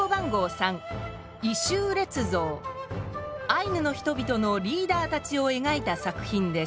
３アイヌの人々のリーダーたちを描いた作品です。